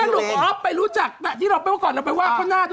สรุปอฟไปรู้จักแต่ที่เราเป็นก่อนเราไปว่าเพื่อนหน้าตัวละ